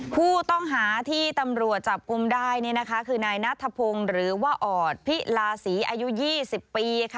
ผู้ต้องหาที่ตำรวจจับกลุ่มได้คือนายนัทพงศ์หรือว่าออดพิลาศรีอายุ๒๐ปี